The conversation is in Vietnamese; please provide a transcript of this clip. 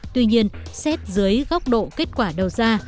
tuy nhiên xét dưới góc độ kết quả đầu ra